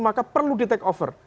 maka perlu di take over